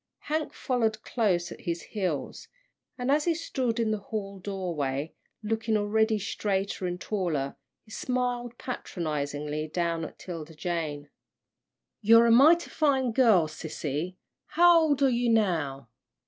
Hank followed close at his heels, and as he stood in the hall doorway, looking already straighter and taller, he smiled patronisingly down at 'Tilda Jane. "You're a mighty fine girl, sissy, how old are you now?"